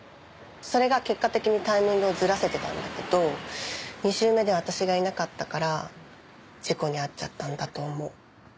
それが結果的にタイミングをずらせてたんだけど２周目では私がいなかったから事故に遭っちゃったんだと思う。